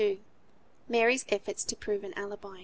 MARY'S EFFORTS TO PROVE AN ALIBI.